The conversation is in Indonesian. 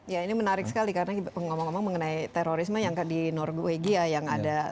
ya ini menarik sekali karena ngomong ngomong mengenai terorisme yang di norwegia yang ada